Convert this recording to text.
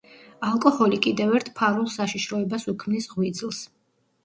ალკოჰოლი კიდევ ერთ ფარულ საშიშროებას უქმნის ღვიძლს.